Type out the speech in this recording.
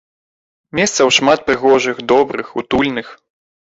Месцаў шмат прыгожых, добрых, утульных.